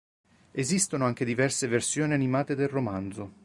Esistono anche diverse versioni animate del romanzo.